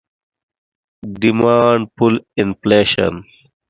Demand pull Inflation